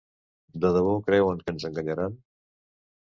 De debò creuen que ens enganyaran?